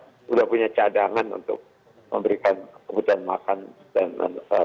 dan itu pun kita sudah punya cadangan untuk memberikan kebutuhan makan dan hal hal